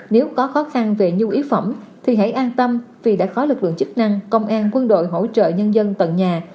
nếu có khó khăn về nhu yếu phẩm thì hãy an tâm vì đã có lực lượng chức năng công an quân đội hỗ trợ nhân dân tận nhà